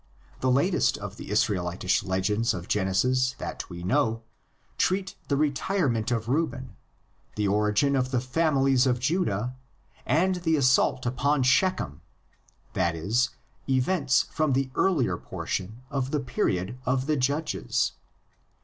The latest of the Israelitish legends of Gen THE LA TER COLLECTIONS. 137 esis that we know treat the retirement of Reuben, the origin of the families of Judah and the assault upon Shechem, that is, events from the earlier por tion of the period of the "Judges.